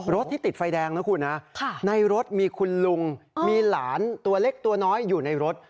รถที่ติดไฟแดงนะคุณนะในรถมีคุณลุงมีหลานตัวเล็กตัวน้อยอยู่ในรถ